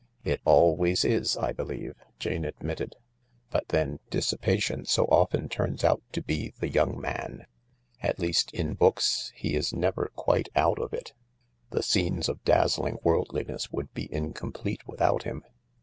"It always is, I believe," Jane admitted; "but then, dissipation so often turns out to be the young man — at least, in books he is never quite out of it. The scenes of dazzling worldliness would be incomplete without him.